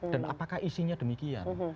dan apakah isinya demikian